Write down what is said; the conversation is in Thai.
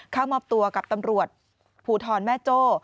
เข้ามอบตัวกับตำรวจภูทรแม่โจ้